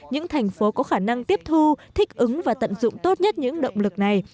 những thành phố có khả năng tiếp thu thích ứng và tận dụng tốt nhất những động lực này